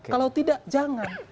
kalau tidak jangan